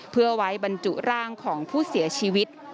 เพื่อไว้บรรจุร่างของผู้เสียชีวิต